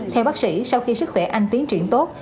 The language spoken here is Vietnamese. theo bác sĩ sau khi sức khỏe anh tiến triển tốt